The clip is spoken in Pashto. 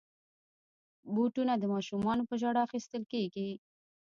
بوټونه د ماشومانو په ژړا اخیستل کېږي.